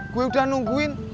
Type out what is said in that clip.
gue udah nungguin